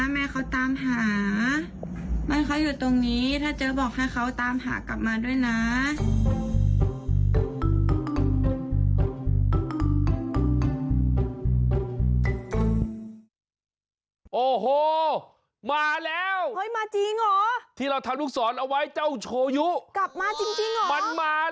ที่เราทำลูกสอนเอาไว้เจ้าโชยุมันมาแล้วนี่จริงหรอ